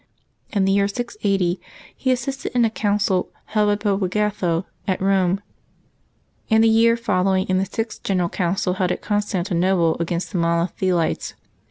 In the year 680 he as sisted in a council held by Pope Agatho at Rome, and the year following in the Sixth General Council held at CJonstanti nople against the Monothelites.